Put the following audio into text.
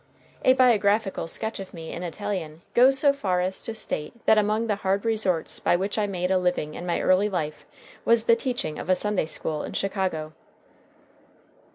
A biographical sketch of me in Italian goes so far as to state that among the hard resorts by which I made a living in my early life was the teaching of a Sunday school in Chicago.